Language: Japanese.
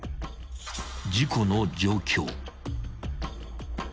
［事故の状況］